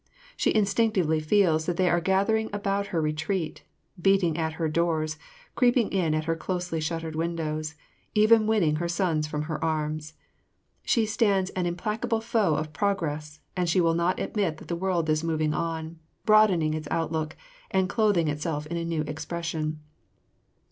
She instinctively feels that they are gathering about her retreat, beating at her doors, creeping in at her closely shuttered windows, even winning her sons from her arms. She stands an implacable foe of progress and she will not admit that the world is moving on, broadening its outlook and clothing itself in a new expression.